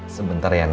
sebentar ya nak ya